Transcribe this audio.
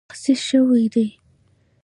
تخصیص شوې دي